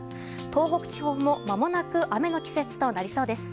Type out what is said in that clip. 東北地方も、まもなく雨の季節となりそうです。